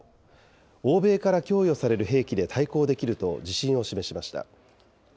欧米から供与される兵器で対抗できると自信を示しました。